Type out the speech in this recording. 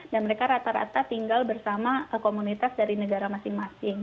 dan mereka rata rata tinggal bersama komunitas dari negara masing masing